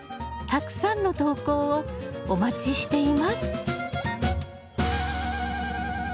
たくさんの投稿をお待ちしています。